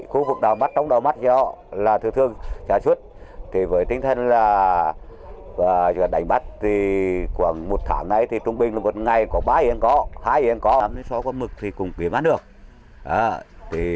khu vực đào mắt trong đào mắt là thường thường chạy chút